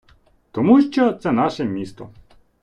Тому що це наше місто.